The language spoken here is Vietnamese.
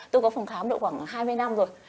tôi có phòng khám được khoảng hai mươi năm rồi